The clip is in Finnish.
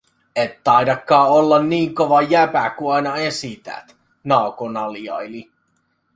Et taidakkaa olla nii kova jäbä, ku aina esität", Naoko naljaili.